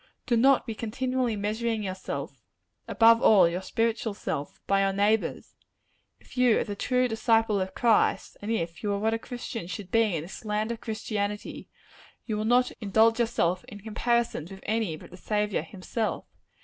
Do not be continually measuring yourself above all, your spiritual self by your neighbors. If you are the true disciple of Christ, and if you are what a Christian should be in this land of Christianity, you will not indulge yourself in comparisons with any but the Saviour himself.